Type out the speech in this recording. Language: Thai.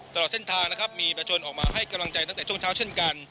ตลอดเส้นทางนะครับมีประชนออกมาให้กำลังใจตั้งแต่ช่วงเช้าเช่นกัน